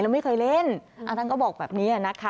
เราไม่เคยเล่นอ่าท่านก็บอกแบบนี้อ่ะนะคะ